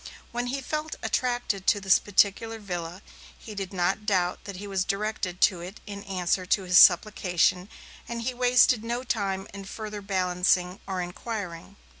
When he felt attracted to this particular villa, he did not doubt that he was directed to it in answer to his supplication, and he wasted no time in further balancing or inquiring.